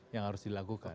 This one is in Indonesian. yang harus dilakukan